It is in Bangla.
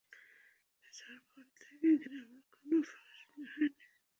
আপনি যাওয়ার পর থেকে গ্রামে কোনো ফসলই হয়নি।